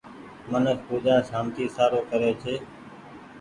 منک پوجآ سانتي سارو ڪري ڇي۔